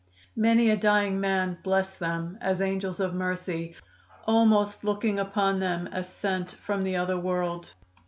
Many a dying man blessed them as angels of mercy, almost looking upon them as sent from the other world.